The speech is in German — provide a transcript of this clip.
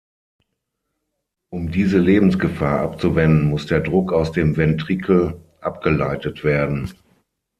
Um diese Lebensgefahr abzuwenden, muss der Druck aus dem Ventrikel abgeleitet werden.